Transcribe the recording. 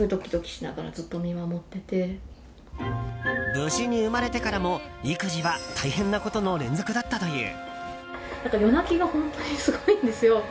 無事に生まれてからも育児は大変なことの連続だったという。